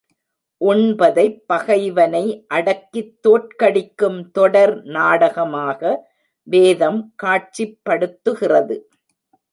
உண்பதைப் பகைவனை அடக்கித் தோற்கடிக்கும் தொடர் நாடகமாக வேதம் காட்சிப்படுத்துகிறது.